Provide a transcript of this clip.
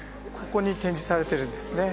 ここに展示されてるんですね